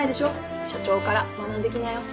社長から学んできなよ。